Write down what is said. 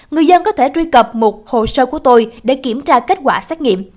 người dân có thể truy cập một hồ sơ của tôi để kiểm tra kết quả xét nghiệm